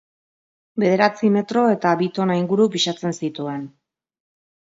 Bederatzi metro eta bi tona inguru pisatzen zituen.